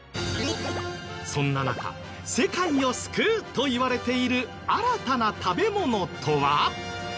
そんな中世界を救うといわれている新たな食べ物とは？